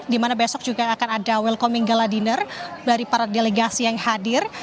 dimana besok juga akan ada welcoming gala dinner dari para delegasi yang hadir